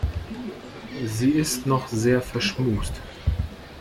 Sie ist noch sehr verschmust.